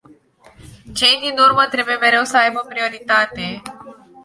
Cei din urmă trebuie mereu să aibă prioritate.